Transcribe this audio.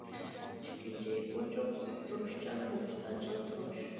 ئىككىنچى، ئوچۇق، سىغدۇرۇشچان بولۇشتا چىڭ تۇرۇش.